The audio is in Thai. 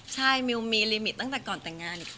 ใช่มิวมีลิมิตตั้งแต่ก่อนแต่งงานอีก